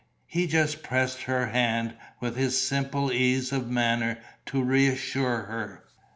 He just pressed her hand, with his simple ease of manner, to reassure her.